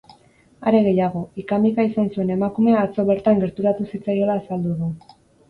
Are gehiago, ika-mika izan zuen emakumea atzo bertan gerturatu zitzaiola azaldu du.